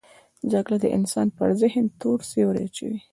جګړه د انسان پر ذهن تور سیوری اچوي